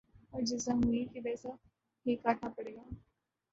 ، اور جیسا بوئیں گے ویسا ہی کاٹنا پڑے گا